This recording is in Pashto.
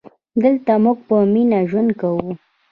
دلته مونږ په مینه ژوند کوو